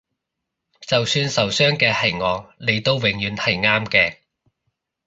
就算受傷嘅係我你都永遠係啱嘅